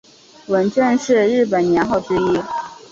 文正是日本年号之一。